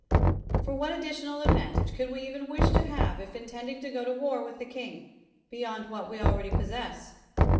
For what addi tional advantage could we even wish to have, if intending to go to war with the king, beyond what we already possess?